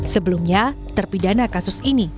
sebelumnya terpidana kasus ini